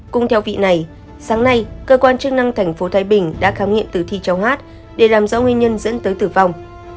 cùng theo vị này sáng nay cơ quan chức năng thành phố thái bình đã khám nghiệm tử thi cháu hát để làm rõ nguyên nhân dẫn tới tử vong